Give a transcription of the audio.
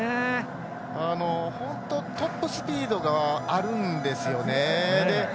本当、トップスピードがあるんですよね。